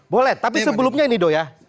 boleh tapi sebelumnya ini do ya